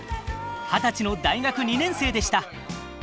二十歳の大学２年生でした。